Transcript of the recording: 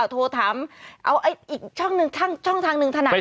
โทรถามเอาอีกช่องทางนึงถนัด